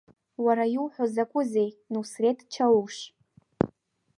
Уара иуҳәо закәзеи Нусреҭ Чауш?